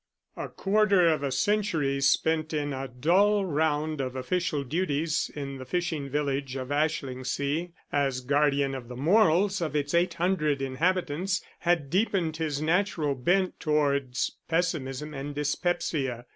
A quarter of a century spent in a dull round of official duties in the fishing village of Ashlingsea, as guardian of the morals of its eight hundred inhabitants, had deepened his natural bent towards pessimism and dyspepsia.